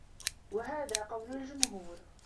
وَهَذَا قَوْلُ الْجُمْهُورِ